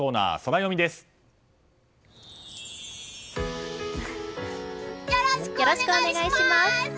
よろしくお願いします！